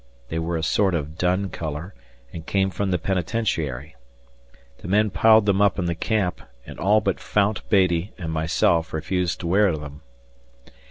They were a sort of dun color and came from the penitentiary. The men piled them up in the camp, and all but Fount Beattie and myself refused to wear them.